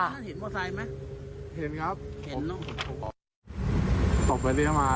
นั่นเห็นมอเตอร์ไซค์ไหม